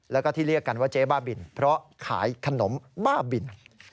แล้วก็ที่เรียกกันว่าเจ๊บ้าบินเพราะขายขนมบ้าบิน